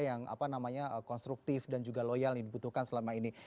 yang apa namanya konstruktif dan juga loyal yang dibutuhkan selama ini